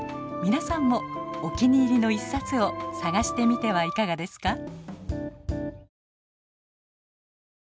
皆さんもお気に入りの１冊を探してみてはいかがですか？